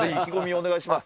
お願いします。